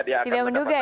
tidak menduga ya